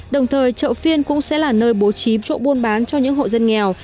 đồng thời chợ phiên cũng sẽ là nơi bố trí chỗ buôn bán cho những hộ dân nghèo